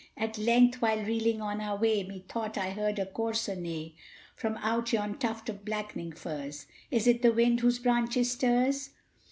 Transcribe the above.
At length, while reeling on our way, Methought I heard a courser neigh, From out yon tuft of blackening firs. Is it the wind those branches stirs?